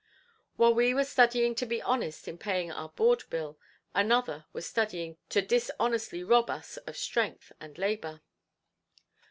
While we were studying to be honest in paying our board bill; another was studying to dishonestly rob us of strength and labor.